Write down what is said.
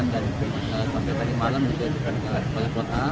dan di kedipo kota